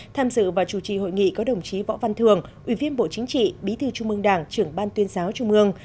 tham dự và chủ trì hội nghị có đồng chí võ văn thường ủy viên bộ chính trị bí thư trung ương đảng trưởng ban tuyên giáo trung ương